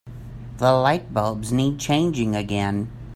The lightbulbs need changing again.